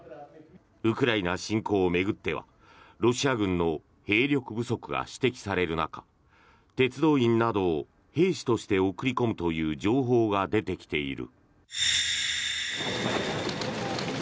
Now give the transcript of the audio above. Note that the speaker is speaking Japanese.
ウクライナ侵攻を巡ってはロシア軍の兵力不足が指摘される中鉄道員などを兵士として送り込むという情報が出てきている。